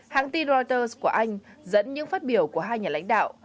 hãng tin reuters của anh dẫn những phát biểu của hai nhà lãnh đạo